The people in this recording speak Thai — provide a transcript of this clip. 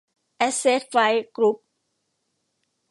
แอสเซท ไฟว์ กรุ๊ป